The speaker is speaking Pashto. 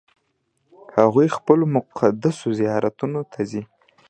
هغوی خپلو مقدسو زیارتونو ته ځي.